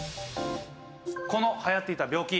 この流行っていた病気。